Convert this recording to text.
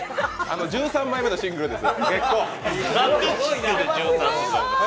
１３枚目のシングルです、「月光」。